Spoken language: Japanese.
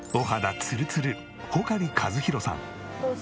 ツルツル穂苅万博さん。